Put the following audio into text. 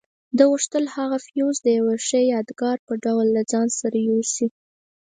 ده غوښتل هغه فیوز د یوې ښې یادګار په ډول له ځان سره یوسي.